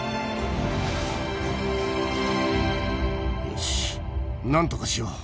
よし何とかしよう。